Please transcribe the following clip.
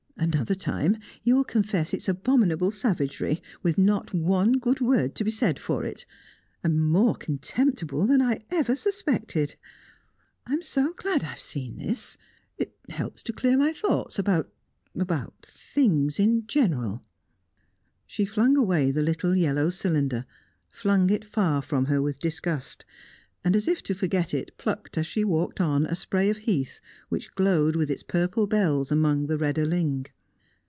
Another time, you'll confess it's abominable savagery, with not one good word to be said for it. And more contemptible than I ever suspected! I'm so glad I've seen this. It helps to clear my thoughts about about things in general." She flung away the little yellow cylinder flung it far from her with disgust, and, as if to forget it, plucked as she walked on a spray of heath, which glowed with its purple bells among the redder ling.